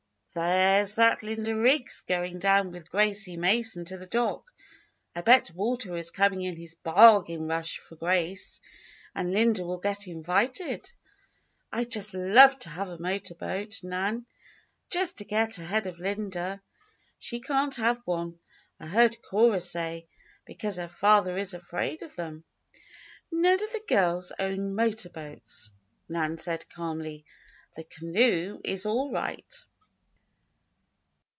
"There's that Linda Riggs going down with Gracie Mason to the dock. I bet Walter is coming in his Bargain Rush for Grace, and Linda will get invited. I'd just love to have a motor boat, Nan, just to get ahead of Linda. She can't have one, I heard Cora say, because her father is afraid of them." "None of the girls own motor boats," Nan said, calmly. "The canoe is all right."